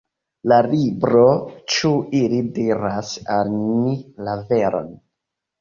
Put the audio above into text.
La libro Ĉu ili diras al ni la veron?